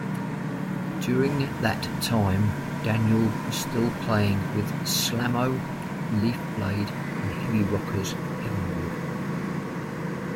During that time Daniel was still playing with Slamo, Leafblade, and heavy rockers Heavenwood.